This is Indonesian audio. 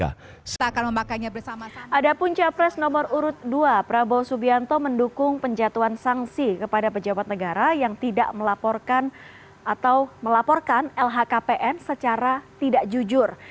ada pun capres nomor urut dua prabowo subianto mendukung penjatuhan sanksi kepada pejabat negara yang tidak melaporkan atau melaporkan lhkpn secara tidak jujur